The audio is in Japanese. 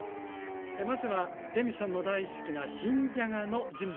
まずはレミさんの大好きな新じゃがの準備からお願いします。